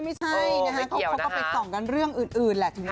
ไม่ใช่นะคะเขาก็ไปส่องกันเรื่องอื่นแหละ